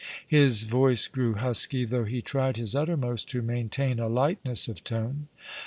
His voice grew husky, though he tried his uttermost to maintain a lightness of tone.